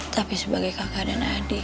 tapi sebagai kakak dan adik